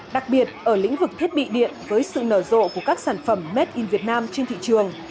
đặc biệt ở lĩnh vực thiết bị điện với sự nở rộ của các sản phẩm made in vietnam trên thị trường